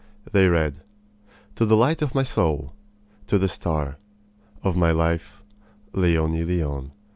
They read: To the light of my soul; to the star, of my life Leonie Leon.